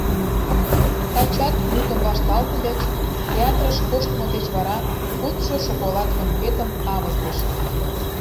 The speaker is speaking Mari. Тачат мутым вашталтыльыч, театрыш коштмо деч вара кодшо шоколад конфетым авызлышт.